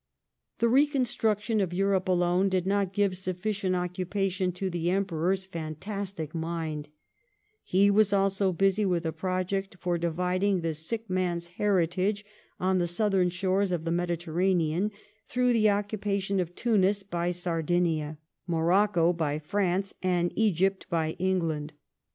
The reconstruction of Europe alone did not give sufficient occupation to the Emperor's fantastic mind ; he was also busy with a project for dividing the Sick Man's heritage on the southern shores of the Mediter ranean, through the occupation of Tunis by Sardinia, Morocco by France, and Egypt by England.